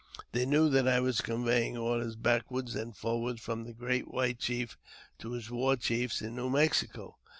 They knew that I was conveying orders backward and forward from the great white chief to his war chiefs in New Mexico.